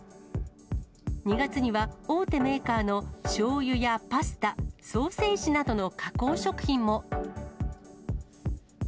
２月には、大手メーカーのしょうゆやパスタ、ソーセージなどの加工食品も。